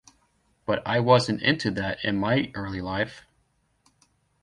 But I wasn't into that in my early life.